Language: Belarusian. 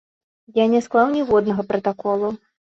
Я не склаў ніводнага пратаколу.